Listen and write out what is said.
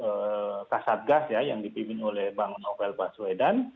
termasuk kasat gas ya yang dipimpin oleh bank novel baswedan